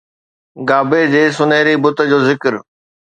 گابي جي سونهري بت جو ذڪر